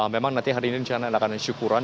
memang nanti hari ini mencari enakan dan syukuran